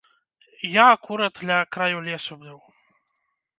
Я акурат ля краю лесу быў.